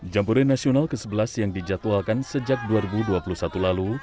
jambore nasional ke sebelas yang dijadwalkan sejak dua ribu dua puluh satu lalu